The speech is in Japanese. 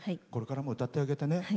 これからも歌ってあげてね。